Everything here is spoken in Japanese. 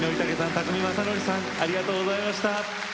宅見将典さんありがとうございました。